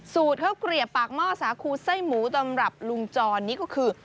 ข้าวเกลียบปากหม้อสาคูไส้หมูตำรับลุงจรนี่ก็คือ